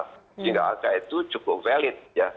sehingga angka itu cukup valid ya